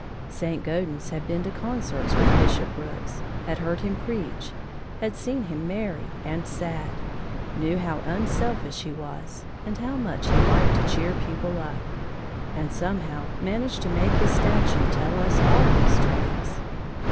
St. Gaudens had been to concerts with Bishop Brooks, had heard him preach, had seen him merry and sad, knew how unselfish he was, and how much he liked to cheer people up, and somehow managed to make his statue tell us all these traits.